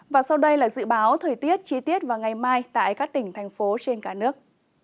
và sau đây là dự báo thời tiết chi tiết vào ngày mai tại các tỉnh thành phố trên cả nước